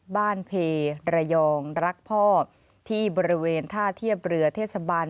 เพระยองรักพ่อที่บริเวณท่าเทียบเรือเทศบาล